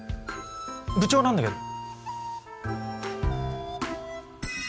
部長なんだけど。